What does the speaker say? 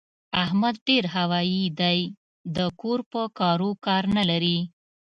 احمد ډېر هوايي دی؛ د کور په کارو کار نه لري.